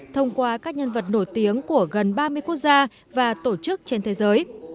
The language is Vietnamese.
thông qua các nhân vật nổi tiếng của gần ba mươi quốc gia và tổ chức trên thế giới